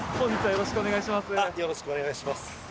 よろしくお願いしますはっ！